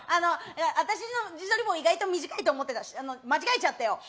私の自撮り棒意外と短いと思って間違えちゃったよ。